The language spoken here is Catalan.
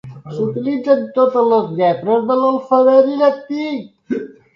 S'utilitzen totes les lletres de l'alfabet llatí.